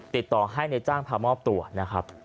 ติดต่อให้ในจ้างพามอบตัวนะครับ